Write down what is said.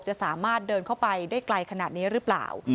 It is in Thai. จะสามารถเดินเข้าไปได้ไกลขนาดนี้หรือเปล่า